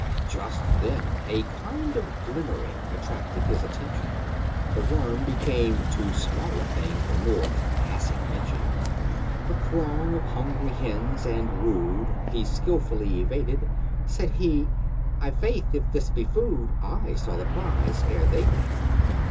Just then a kind of glimmering Attracting his attention, The worm became too small a thing For more than passing mention: The throng of hungry hens and rude He skilfully evaded. Said he, "I' faith, if this be food, I saw the prize ere they did."